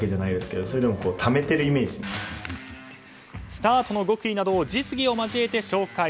スタートの極意などを実技を交えて紹介。